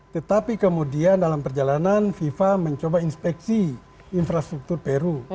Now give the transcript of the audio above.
tetapi kemudian dalam perjalanan fifa mencoba inspeksi infrastruktur peru